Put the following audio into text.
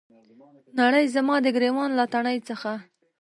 نړۍ زما د ګریوان له تڼۍ څخه